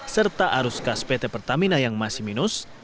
serta arus kas pt pertamina yang masih minus